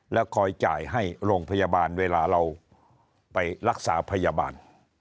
แล้วคอยจ่ายให้โรงพยาบาลเวลาเราไปรักษาพยาบาล